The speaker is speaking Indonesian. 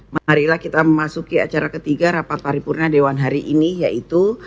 marilah kita memasuki acara ketiga rapat paripurna dewan hari ini yaitu